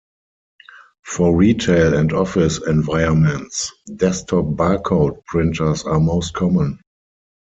For retail and office environments, desktop barcode printers are most common.